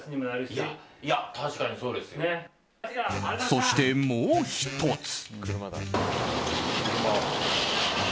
そして、もう１つ。